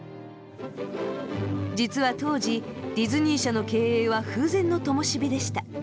実は当時ディズニー社の経営は風前のともし火でした。